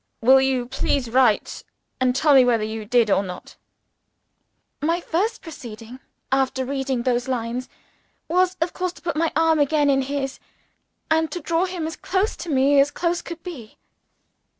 Will you please write and tell me whether you did or not? "OSCAR." My first proceeding, after reading those lines, was of course to put my arm again in his, and to draw him as close to me as close could be.